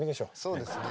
そうですね。